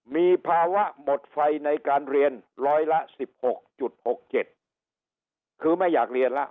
มีภาวะหมดไฟในการเรียนร้อยละสิบหกจุดหกเจ็ดคือไม่อยากเรียนละ